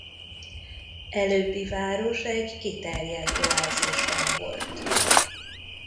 Előbbi város egy kiterjedt oázisban volt.